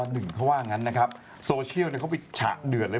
เขาว่างั้นนะครับโซเชียลเขาไปฉะเดือดเลย